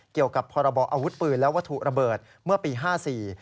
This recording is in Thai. เกี่ยวกับพรอพืชและวัตถุระเบิดเมื่อปี๑๙๕๔